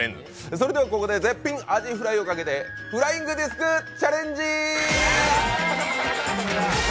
それではここで絶品あじふらいをかけてフライングディスクチャレンジ。